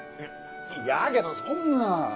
やけどそんな！